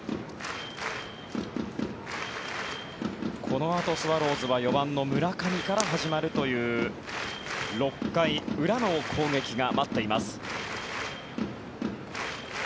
このあと、スワローズは４番の村上から始まるという６回裏の攻撃が待っています。